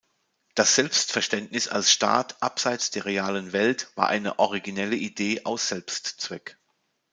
Das Selbstverständnis als „Staat“ abseits der realen Welt war eine originelle Idee aus Selbstzweck.